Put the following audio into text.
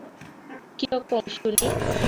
কী রকম শুনি?